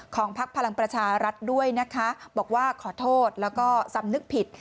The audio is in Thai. พักพลังประชารัฐด้วยนะคะบอกว่าขอโทษแล้วก็สำนึกผิด